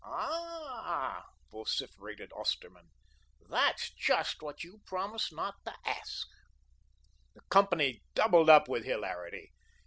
"Ah," vociferated Osterman, "that's JUST what you promised not to ask." The company doubled up with hilarity.